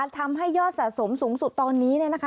ทำให้ยอดสะสมสูงสุดตอนนี้